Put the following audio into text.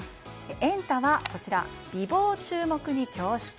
エンタ！はこちら、美貌注目に恐縮？